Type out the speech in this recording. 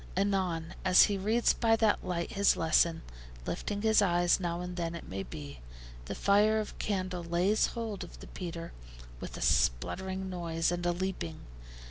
Anon, as he reads by that light his lesson, lifting his eyes now and then it may be, the fire of candle lays hold of the petre with a spluttering noise and a leaping.